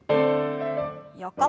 横。